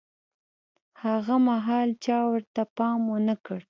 هاغه مهال چا ورته پام ونه کړ.